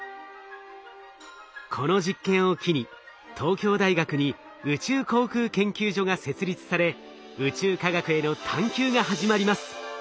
この実験を機に東京大学に宇宙航空研究所が設立され宇宙科学への探究が始まります。